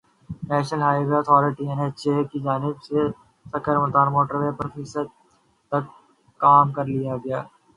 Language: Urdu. national Highway Authority N H A کی جانب سے سکھر ملتان موٹر وے پر فیصد تک کام کر لیا گیا ہے